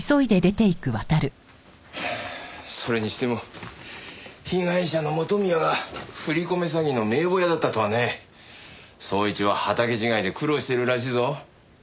それにしても被害者の元宮が振り込め詐欺の名簿屋だったとはね。捜一は畑違いで苦労してるらしいぞ。